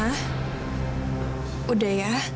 ma sudah ya